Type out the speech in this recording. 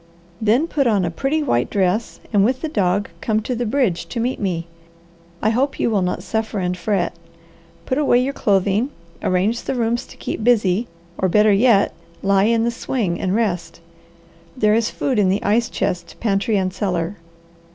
Then put on a pretty white dress, and with the dog, come to the bridge to meet me. I hope you will not suffer and fret. Put away your clothing, arrange the rooms to keep busy, or better yet, lie in the swing and rest. There is food in the ice chest, pantry, and cellar.